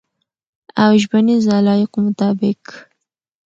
او ژبنیز علایقو مطابق